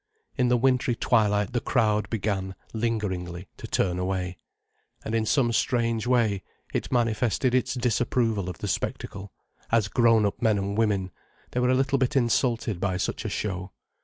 In the wintry twilight the crowd began, lingeringly, to turn away. And in some strange way, it manifested its disapproval of the spectacle: as grown up men and women, they were a little bit insulted by such a show.